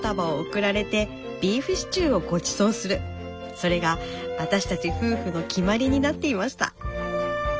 それが私たち夫婦の決まりになっていました。